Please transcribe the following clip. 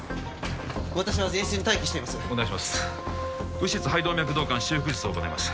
右室肺動脈導管修復術を行います